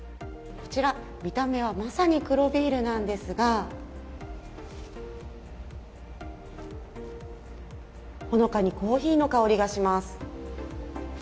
こちら、見た目はまさに黒ビールなんですがほのかにコーヒーの香りがします。